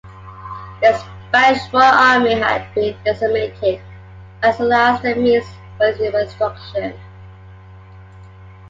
The Spanish Royal Army had been decimated, as well as the means for its reconstruction.